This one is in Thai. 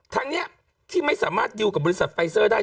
ทางนี้ที่ไม่สามารถดิวกับบริษัทไฟเซอร์ได้